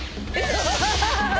ハハハハ！